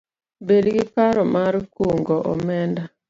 Bed gi paro mar kungo omenda